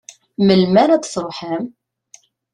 Melmi ara d-truḥem?